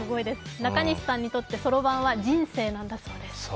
中西さんにとってそろばんは人生なんだそうです。